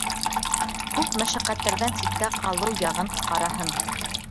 Күп мәшәҡәттәрҙән ситтә ҡалыу яғын ҡараһын.